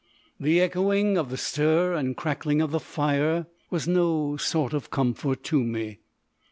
The echoing of the stir and crackling of the fire was no sort of comfort to me.